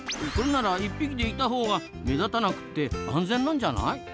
これなら１匹でいたほうが目立たなくて安全なんじゃない？